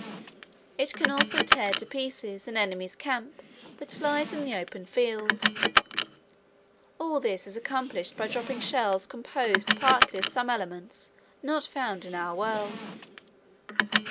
It can also tear to pieces an enemy's camp that lies in the open field. All this is accomplished by dropping shells composed partly of some elements not found in our world.